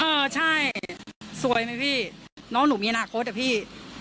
เออใช่สวยไหมพี่น้องหนูมีอนาคตอะพี่